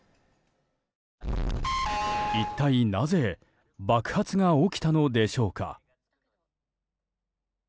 一体なぜ爆発が起きたのでしょうか？